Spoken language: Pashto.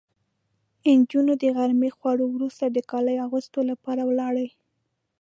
نجونې د غرمې خوړو وروسته د کالو اغوستو لپاره ولاړې.